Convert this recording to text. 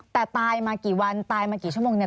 แต่ตายมากี่วันตายมากี่ชั่วโมงเนี่ย